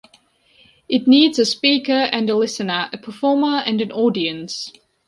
It needs a speaker and a listener, a performer and an audience.